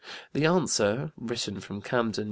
The answer (written from Camden, N.